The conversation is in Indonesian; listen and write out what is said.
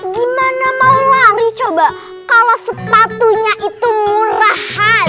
gimana mau lari coba kalau sepatunya itu murah hai